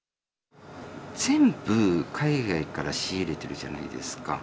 全部、海外から仕入れてるじゃないですか。